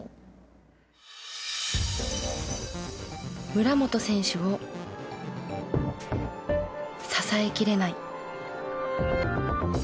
村元選手を支えきれない。